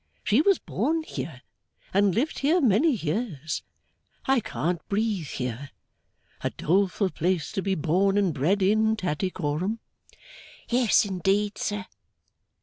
She was born here, and lived here many years. I can't breathe here. A doleful place to be born and bred in, Tattycoram?' 'Yes indeed, sir!